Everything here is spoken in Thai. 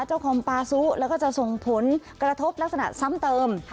เจ้าความปลาซุแล้วก็จะส่งทนกระทบลักษณะซ้ำเติมค่ะ